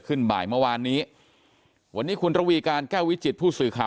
บ่ายเมื่อวานนี้วันนี้คุณระวีการแก้ววิจิตผู้สื่อข่าว